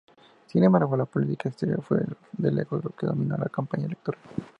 Sin embargo, la política exterior fue de lejos lo que dominó la campaña electoral.